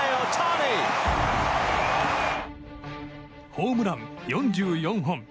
ホームラン４４本。